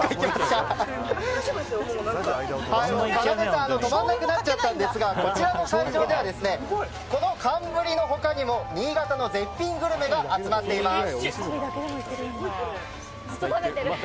かなでさん止まらなくなっちゃったんですがこちらの会場ではこの寒ブリの他にも新潟の絶品グルメが集まっています。